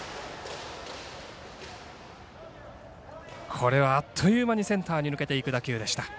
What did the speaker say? これはあっという間にセンターに抜けていく打球でした。